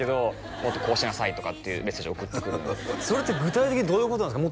「もっとこうしなさい」とかってメッセージを送ってくるそれって具体的にどういうことなんですか？